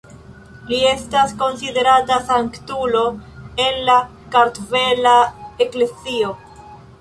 Li estas konsiderata sanktulo en la Kartvela Eklezio.